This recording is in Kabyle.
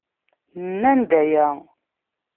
Nnan-d aya.